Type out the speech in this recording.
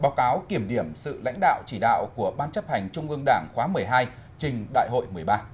báo cáo kiểm điểm sự lãnh đạo chỉ đạo của ban chấp hành trung ương đảng khóa một mươi hai trình đại hội một mươi ba